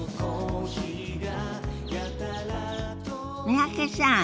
三宅さん